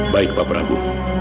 baik pak prabu